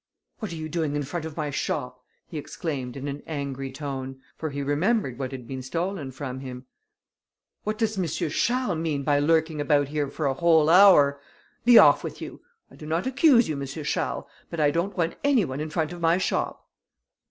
"What are you doing in front of my shop?" he exclaimed, in an angry tone; for he remembered what had been stolen from him. "What does M. Charles mean by lurking about here for a whole hour? Be off with you; I do not accuse you, M. Charles, but I don't want any one in front of my shop."